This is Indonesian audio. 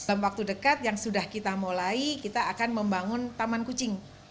dalam waktu dekat yang sudah kita mulai kita akan membangun taman kucing